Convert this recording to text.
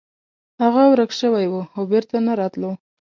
هغه ورک شوی و او بیرته نه راتلو.